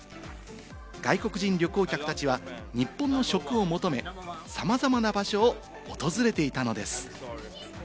外国人旅行客たちは日本の食を求め、さまざまな場所を訪れていたのです。